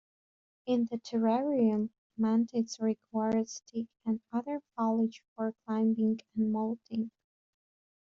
In the terrarium, mantids require sticks and other foliage for climbing and molting.